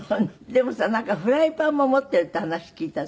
でもさなんかフライパンも持ってるっていう話聞いた。